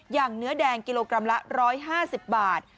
อย่างเนื้อแดงกิโลกรัมละ๑๕๐บาท